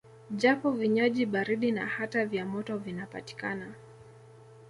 Japo vinywaji baridi na hata vya moto vinapatikana